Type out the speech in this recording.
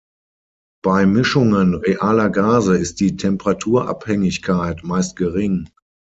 Bei Mischungen realer Gase ist die Temperaturabhängigkeit meist gering.